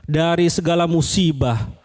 dari segala musibah